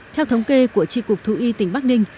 theo thống kê của tri cục thú y tỉnh bắc ninh